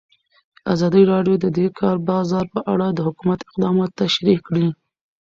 ازادي راډیو د د کار بازار په اړه د حکومت اقدامات تشریح کړي.